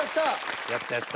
やったやった。